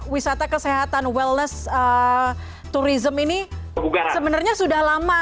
wisata kesehatan wellness tourism ini sebenarnya sudah lama